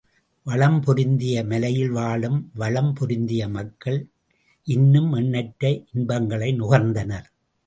வளம் பொருந்திய மலையில் வாழும் வளம் பொருந்திய மக்கள் இன்னும் எண்ணற்ற இன்பங்களை நுகர்ந்தனர்.